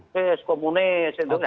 fis komunis itu enggak